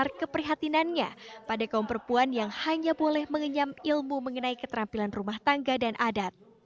dan membuat besar keprihatinannya pada kaum perempuan yang hanya boleh mengenyam ilmu mengenai keterampilan rumah tangga dan adat